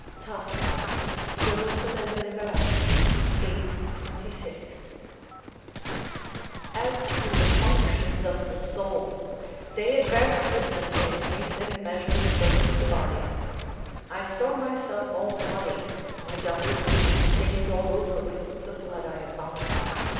Tasso, Gierus. Lib., viii., 26.] As to the functions of the soul, they advanced with the same pace and measure with those of the body. I saw myself all bloody, my doublet being stained all over with the blood I had vomited.